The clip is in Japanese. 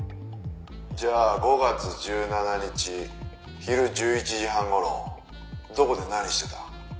「じゃあ５月１７日昼１１時半頃どこで何してた？」